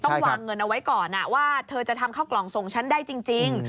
วางเงินเอาไว้ก่อนว่าเธอจะทำเข้ากล่องส่งฉันได้จริง